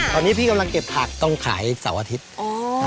ตอนนี้พี่กำลังเก็บผักต้องขายเสาร์อาทิตย์